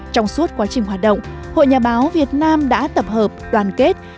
trong suốt quá trình hoạt động hội nhà báo việt nam đã tập hợp đoàn kết